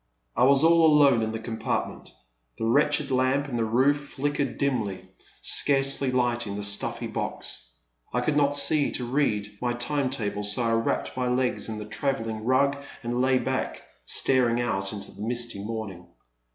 I was all alone in the compartment. The wretched lamp in the roof flickered dimly, scarcely lighting the stuffy box. I could not see to read my time table, so I wrapped my legs in the trav elling rug and lay back, staring out into the misty morning.